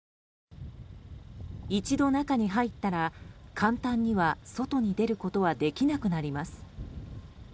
一度中に入ったら簡単には、外に出ることはできなくなります。